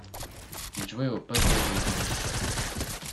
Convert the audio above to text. Il jouait au poste d’ailier gauche.